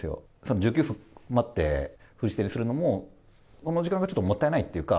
１９分待って封じ手にするのも、その時間がもったいないというか。